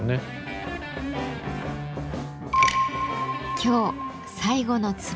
今日最後のツボ